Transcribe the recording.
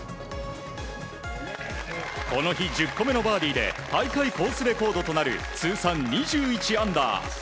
この日、１０個目のバーディーで大会コースレコードとなる通算２１アンダー。